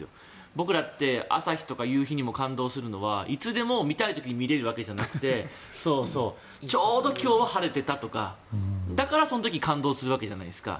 僕らって朝日とか夕日にも感動するからいつでも見たい時に見れるわけじゃなくてちょうど今日は晴れてたとかだからその時に感動するわけじゃないですか。